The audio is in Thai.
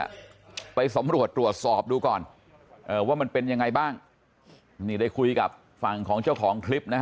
ไปสำรวจตรวจสอบดูก่อนเออว่ามันเป็นยังไงบ้างนี่ได้คุยกับฝั่งของเจ้าของคลิปนะฮะ